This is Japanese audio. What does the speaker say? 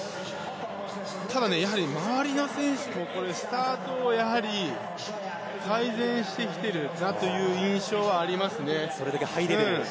ただ、やはり周りの選手もスタートを改善してきているなという印象はありますね。